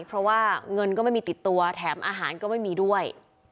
เพราะว่าเงินก็ไม่มีติดตัวแถมอาหารก็ไม่มีด้วย